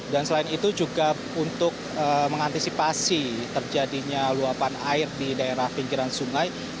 dan selain itu juga untuk mengantisipasi terjadinya luapan air di daerah pinggiran sungai